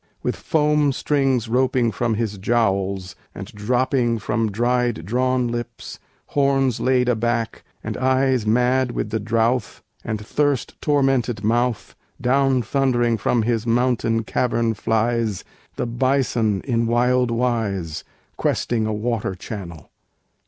With foam strings roping from his jowls, and dropping From dried drawn lips, horns laid aback, and eyes Mad with the drouth, and thirst tormented mouth, Down thundering from his mountain cavern flies The bison in wild wise, Questing a water channel.